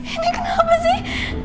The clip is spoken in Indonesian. ini kenapa sih